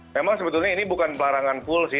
memang sebetulnya ini bukan pelarangan full sih